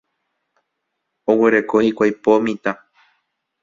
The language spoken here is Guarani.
Oguereko hikuái po mitã.